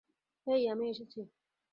হেই, আমি এসেছি।